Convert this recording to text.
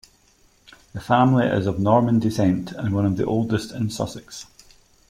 The family is of Norman descent and one of the oldest in Sussex.